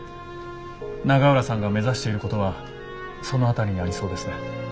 永浦さんが目指していることはその辺りにありそうですね。